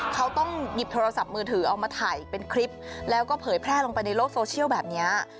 เขาต้องหยิบโทรศัพท์มือถือเอามาถ่ายเป็นคลิปแล้วก็เผยแพร่ลงไปในโลกโซเชียลแบบนี้